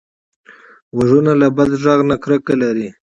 غوږونه له بد غږ نه کرکه لري